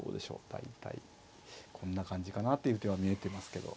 大体こんな感じかなっていう手は見えてますけど。